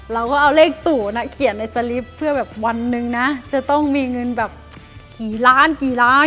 เราก็เอาเลข๐เขียนในเซลปเพื่อวันนึงจะต้องมีเงินกี่ล้าน